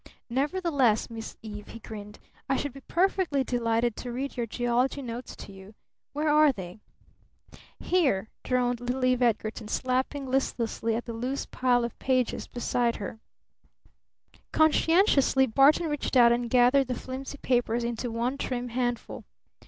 "Nevertheless, Miss Eve," he grinned, "I should be perfectly delighted to read your geology notes to you. Where are they?" "Here," droned little Eve Edgarton, slapping listlessly at the loose pile of pages beside her. Conscientiously Barton reached out and gathered the flimsy papers into one trim handful.